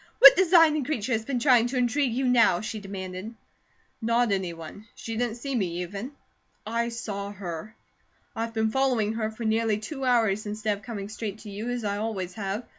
What designing creature has been trying to intrigue you now?" she demanded. "Not any one. She didn't see me, even. I saw her. I've been following her for nearly two hours instead of coming straight to you, as I always have.